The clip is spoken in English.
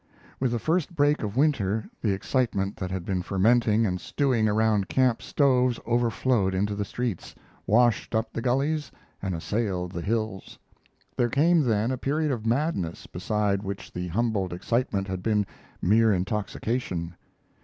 With the first break of winter the excitement that had been fermenting and stewing around camp stoves overflowed into the streets, washed up the gullies, and assailed the hills. There came then a period of madness, beside which the Humboldt excitement had been mere intoxication.